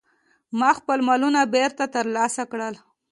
ما خپل مالونه بیرته ترلاسه کړل.